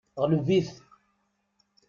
Ɣleb-it!